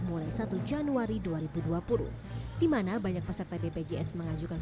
mulai satu januari dua ribu dua puluh di mana banyak peserta bpjs kesehatan